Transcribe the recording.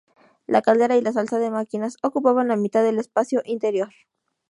La caldera y la sala de máquinas ocupaban la mitad del espacio interior.